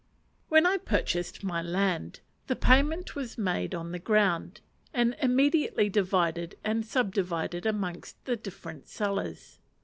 When I purchased my land, the payment was made on the ground, and immediately divided and subdivided amongst the different sellers.